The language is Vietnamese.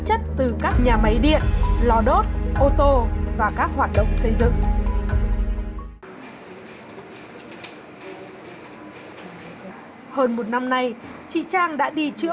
chất từ các nhà máy điện lò đốt ô tô và các hoạt động xây dựng hơn một năm nay chị trang đã đi chữa